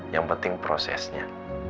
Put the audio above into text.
yang penting prosesnya